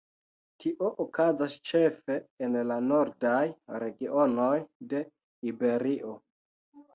Tio okazas ĉefe en la nordaj regionoj de Iberio.